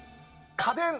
家電？